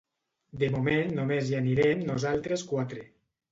De moment només hi anirem nosaltres quatre.